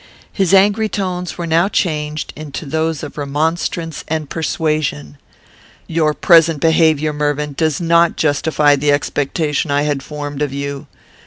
His angry tones were now changed into those of remonstrance and persuasion: "Your present behaviour, Mervyn, does not justify the expectation I had formed of you.